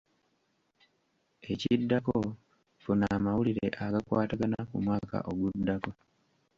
Ekiddako, funa amawulire agakwatagana ku mwaka oguddako.